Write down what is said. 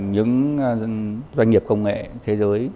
những doanh nghiệp công nghệ thế giới